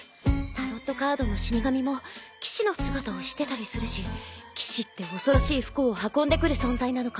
タロットカードの死に神も騎士の姿をしてたりするし騎士って恐ろしい不幸を運んでくる存在なのかも。